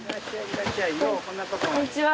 こんにちは。